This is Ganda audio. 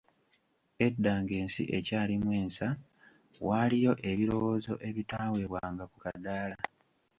Edda ng’ensi ekyalimu ensa, waaliyo ebirowoozo ebitaaweebwanga ku kadaala.